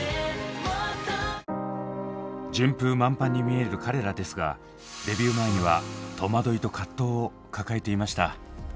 順風満帆に見える彼らですがデビュー前には戸惑いと葛藤を抱えていました。